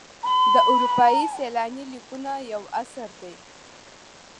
د اروپایي سیلاني لیکونه یو اثر دی.